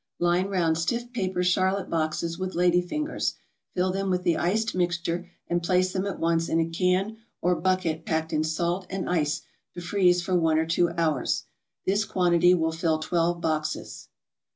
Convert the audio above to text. Line round stiff paper charlotte boxes with lady fingers, fill them with the iced mixture, and place them at once in a can or bucket packed in salt and ice to freeze for one or two hours. This quantity will fill twelve boxes.